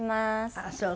ああそう。